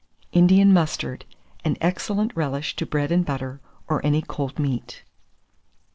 INDIAN MUSTARD, an excellent Relish to Bread and Butter, or any cold Meat. 450.